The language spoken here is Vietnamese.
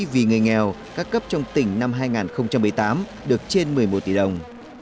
vì người nghèo các cấp trong tỉnh năm hai nghìn một mươi tám được trên một mươi một tỷ đồng